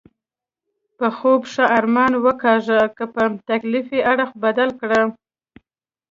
په خوب ښه ارمان وکاږه، که په تکلیف یې اړخ بدل کړه.